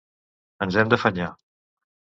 Ens hem d'afanyar.